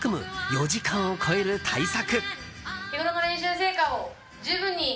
４時間を超える大作。